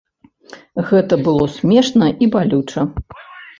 Гэта было смешна і балюча.